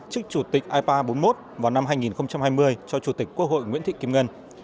chức chủ tịch ipa bốn mươi một vào năm hai nghìn hai mươi cho chủ tịch quốc hội nguyễn thị kim ngân